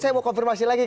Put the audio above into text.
saya mau konfirmasi lagi